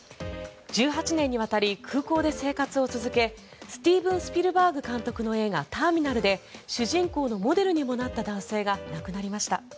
１８年にわたり空港で生活を続けスティーブン・スピルバーグ監督の映画「ターミナル」で主人公のモデルにもなった男性が亡くなりました。